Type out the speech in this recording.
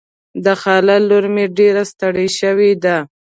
د خاله لور مې ډېره ستړې شوې ده.